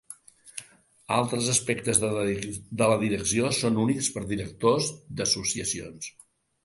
Altres aspectes de la direcció són únics pels directors d'associacions.